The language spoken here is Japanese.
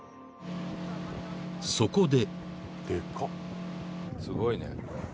［そこで］